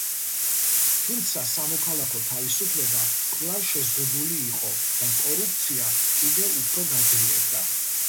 თუმცა სამოქალაქო თავისუფლება კვლავ შეზღუდული იყო და კორუფცია კიდევ უფორ გაძლიერდა.